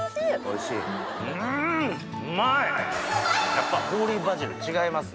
やっぱホーリーバジル違いますね。